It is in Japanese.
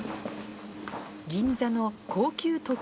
銀座の高級時計